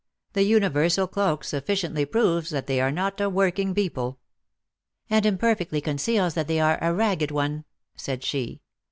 "The universal cloak sufficiently proves that they are not a working people." " And imperfectly conceals that they are a ragged one," said she.